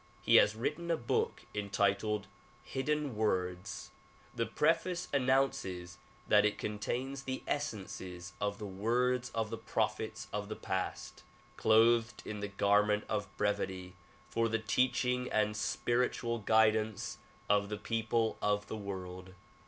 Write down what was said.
He has written a book entitled Hidden Words. The preface announces that it contains the essences of the words of the prophets of the past clothed in the garment of brevity for the teaching and spiritual guidance of the people of the world.